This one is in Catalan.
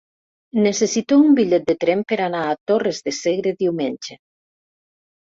Necessito un bitllet de tren per anar a Torres de Segre diumenge.